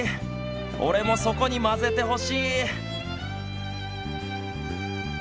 俺もそこに混ぜてほしい。